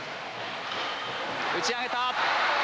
打ち上げた。